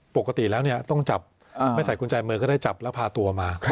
ปกติแล้วต้องจับไม่ใส่กุญแจมือก็ได้จับแล้วพาตัวมา